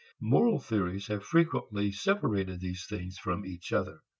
Moral theories have frequently separated these things from each other.